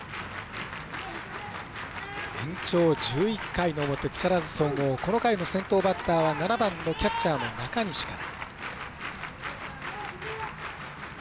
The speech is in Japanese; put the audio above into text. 延長１１回の表、木更津総合この回の先頭バッターは７番のキャッチャーの中西から。